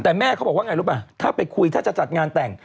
แต่แม่เขาบอกว่าไงรู้ป่ะถ้าไปคุยถ้าจะจัดงานแต่ง